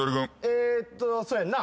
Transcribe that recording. えーっとそやんな？